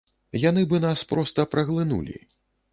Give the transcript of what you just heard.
Яны бы нас проста праглынулі.